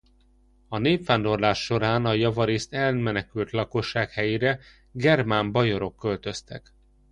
A népvándorlás során a javarészt elmenekült lakosság helyére germán bajorok költöztek.